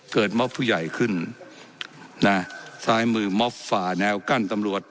ม็อบผู้ใหญ่ขึ้นนะซ้ายมือม็อบฝ่าแนวกั้นตำรวจ